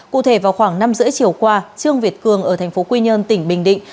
cụ thể vào khoảng năm rưỡi chiều qua trương việt cường ở tp quy nhơn tỉnh bình định